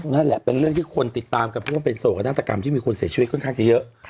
นั่นแหละเป็นเรื่องที่คนติดตามกันเพราะเป็นส่วนของนักอันตรกรรมที่มีคนเสียชีวิตค่อนข้างเยอะ